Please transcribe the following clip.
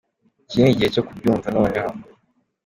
Iki ni gihe cyo kubyumva noneho.